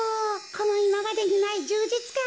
このいままでにないじゅうじつかん。